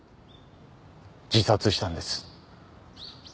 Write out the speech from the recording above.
自殺したんです。